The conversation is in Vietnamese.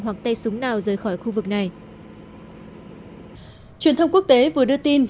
hoặc tay súng nào rời khỏi khu vực này truyền thông quốc tế vừa đưa tin